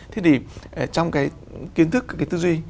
thế thì trong cái kiến thức cái tư duy